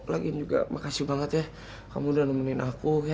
lagi juga makasih banget ya kamu udah nemenin aku